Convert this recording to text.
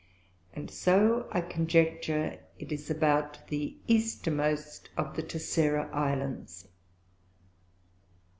And so I conjecture it is about the Eastermost of the Tercera Islands.